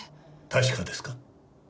確かですか？